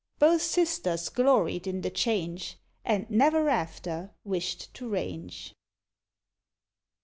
Both sisters gloried in the change, And never after wished to range.